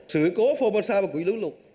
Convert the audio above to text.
sự cố phong mô sa và quý lũ lụt